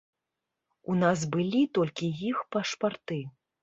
У нас былі толькі іх пашпарты.